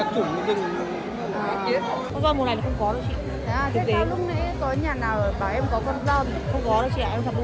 còn các hàng nuôi này thì mình bán thoải mái đúng không